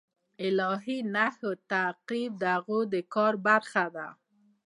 د الهي نښو تعقیب د هغه د کار برخه ده.